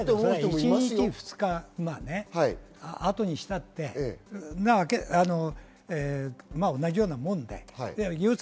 １日２日あとにしたって、同じようなもんです。